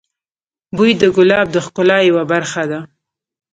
بوی د ګلاب د ښکلا یوه برخه ده.